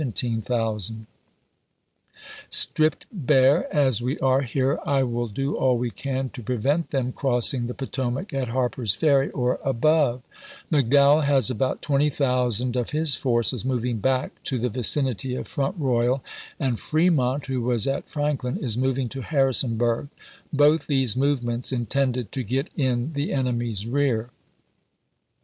] Stripped bare, as we are here, I will do all we can to prevent them crossing the Potomac at Harper's Ferry or above. McDowell has about twenty thousand of his forces moving back to the "stonewall" JACKSON'S VALLEY CAMPAIGN 403 vicinity of Front Royal, and Fremont, who was at Frank ch. xxii. lin, is moving to Harrisonburg; both these movements intended to get in the enemy's rear.